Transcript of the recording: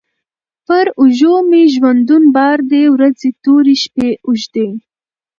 پر اوږو مي ژوندون بار دی ورځي توري، شپې اوږدې